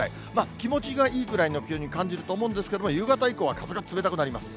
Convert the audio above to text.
気持ちがいいぐらいの気温に感じると思うんですけれども、夕方以降は風が冷たくなります。